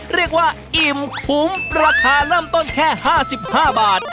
เรียกว่าอิ่มคุ้มราคาเริ่มต้นแค่๕๕บาท